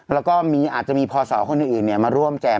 แล้วก็อาจจะมีพศคนอื่นมาร่วมแจม